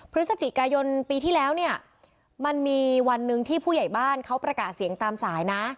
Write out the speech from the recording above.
พฤศจิกายนปีที่แล้วเนี่ยมันมีวันหนึ่งที่ผู้ใหญ่บ้านเขาประกาศเสียงตามสายนะ